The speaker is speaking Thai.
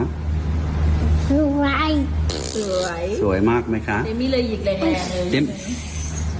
สวยสวยสวยมากไหมคะแดมมี่เลยหยีกเลยแดมมี่